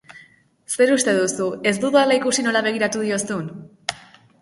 Zer uste duzu, ez dudala ikusi nola begiratu diozun?